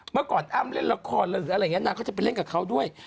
มาก่อนอ้ำเล่นละครอะไรอย่างนี้นะเค้าจะไปเล่นกับเค้าด้วย